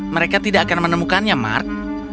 mereka tidak akan menemukannya mark